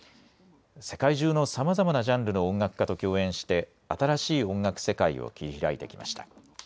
世界中のさまざまなジャンルの音楽家と共演して、新しい音楽世界を切り開いてきました。